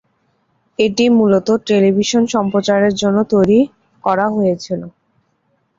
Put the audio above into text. এটি মূলত টেলিভিশন সম্প্রচারের জন্য তৈরি করা হয়েছিল।